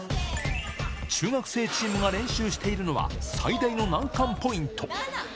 中学生チームが練習しているのは、最大の難関ポイント。